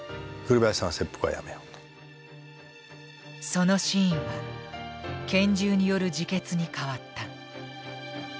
そのシーンは拳銃による自決に変わった。